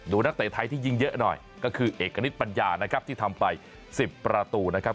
นักเตะไทยที่ยิงเยอะหน่อยก็คือเอกณิตปัญญานะครับที่ทำไป๑๐ประตูนะครับ